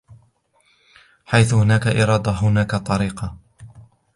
حيث هناك إرادة - هناك طريقة.